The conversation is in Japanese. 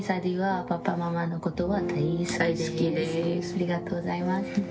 ありがとうございます。